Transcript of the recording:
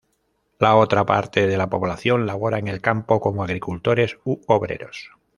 La otra parte de la población labora en el campo como agricultores u obreros.